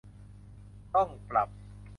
ต้องปรับ